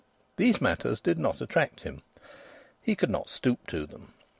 These matters did not attract him. He could not stoop to them.